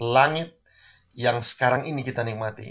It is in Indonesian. langit yang sekarang ini kita nikmati